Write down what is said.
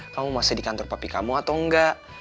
kamu masih di kantor papi kamu atau enggak